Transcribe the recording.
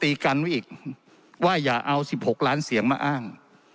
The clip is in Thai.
ตีกันไว้อีกว่าอย่าเอา๑๖ล้านเสียงมาอ้าง